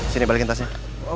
sini balikin tasnya